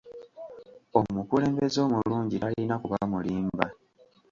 Omukulembeze omulungi talina kuba mulimba.